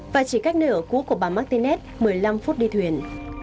và chỉ cách nơi ở cuối của bà martinez một mươi năm phút đi thuyền